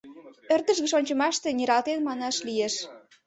Ӧрдыж гыч ончымаште нералтен манаш лиеш.